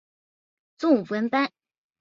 中文版由台湾角川出版发行。